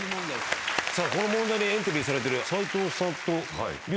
この問題にエントリーされてる斎藤さんと流星君